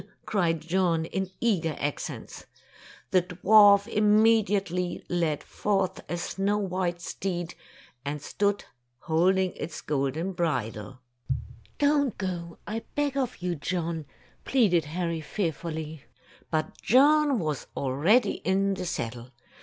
cried John, in eager accents. The dwarf immediately led forth a snow white steed, and stood holding its golden bridle. "Don't go, I beg of you, John," pleaded Harry fearfully. But John was already in Tales of Modern Germany 45 the saddle.